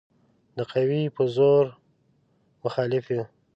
د قوې په زور مخالف یو.